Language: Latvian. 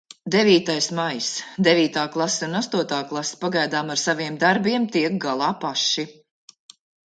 Devītais maijs. Devītā klase un astotā klase pagaidām ar saviem darbiem tiek galā paši.